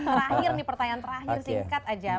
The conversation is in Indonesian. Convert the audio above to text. terakhir nih pertanyaan terakhir singkat aja